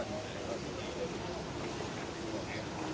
สวัสดีครับทุกคน